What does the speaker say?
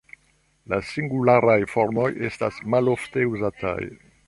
La singularaj formoj estas malofte uzataj.